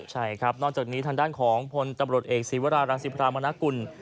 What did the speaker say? ใช่ครับนอกจากนี้ทางด้านของพตรเอกศิวราราชิพรามนาคุณ